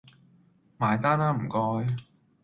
埋單呀唔該